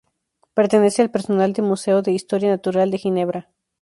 Pertenece al personal del Museo de Historia Natural de Ginebra